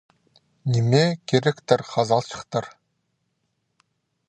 Нимее киректір хазалҷыхтар?